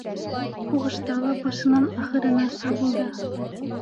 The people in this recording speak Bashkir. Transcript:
Һуғышта ла башынан ахырынаса булды.